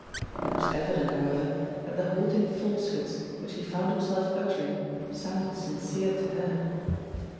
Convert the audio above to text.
It was evident, however, that the halting falsehoods which he found himself uttering sounded sincere to her.